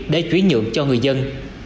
để trí nhuận cho người dân